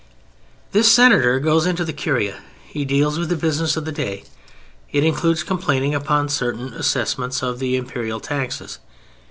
This Senator goes into the Curia. He deals with the business of the day. It includes complaints upon certain assessments of the Imperial taxes.